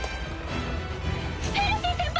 フェルシー先輩！